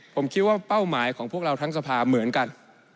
ผมคิดว่าเป้าหมายของพวกเราทั้งสภาเหมือนกัน